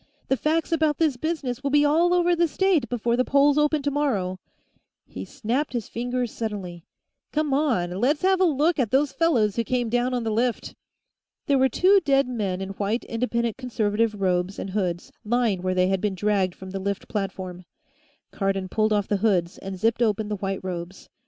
The facts about this business will be all over the state before the polls open tomorrow " He snapped his fingers suddenly. "Come on; let's have a look at those fellows who came down on the lift!" There were two dead men in white Independent Conservative robes and hoods, lying where they had been dragged from the lift platform. Cardon pulled off the hoods and zipped open the white robes.